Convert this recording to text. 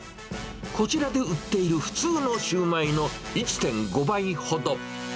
こちらで売っている普通のシューマイの１．５倍ほど。